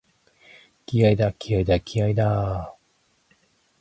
気合いだ、気合いだ、気合いだーっ！！！